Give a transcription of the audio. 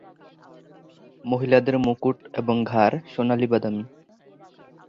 মহিলাদের মুকুট এবং ঘাড় সোনালী বাদামি।